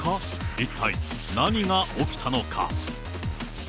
一体何が起きたのか。